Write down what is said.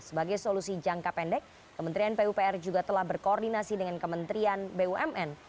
sebagai solusi jangka pendek kementerian pupr juga telah berkoordinasi dengan kementerian bumn